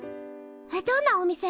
えっどんなお店？